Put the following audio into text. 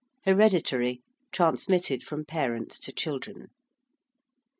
~hereditary~: transmitted from parents to children.